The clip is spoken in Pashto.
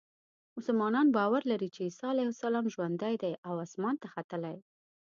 مسلمانان باور لري چې عیسی علیه السلام ژوندی دی او اسمان ته ختلی.